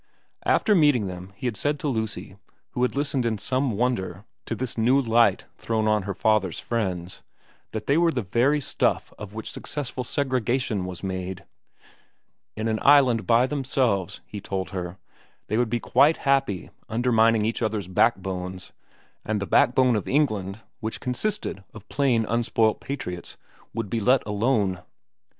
After meeting them he had said to Lucy, who had listened in some wonder at this new light thrown on her father's friends, that they were the very stuff of which successful segregation was made. In an island by themselves, he told her, they would be quite happy undermining each other's backbones, and the backbone of England, which consisted of plain unspoilt patriots, would be let alone.